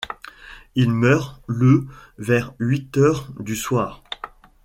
Il meurt le vers huit heures du soir.